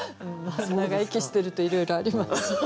長生きしてるといろいろあります。